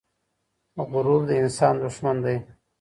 غرور د انسان دښمن دی.